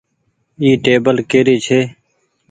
اي ٽيبل ڪري ڇي ۔